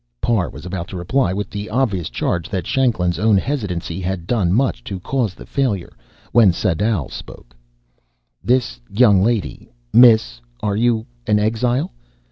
Parr was about to reply with the obvious charge that Shanklin's own hesitancy had done much to cause the failure, when Sadau spoke: "This young lady miss, are you an exile?